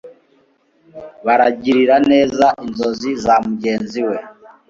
baragirira neza inzozi za mugenzi we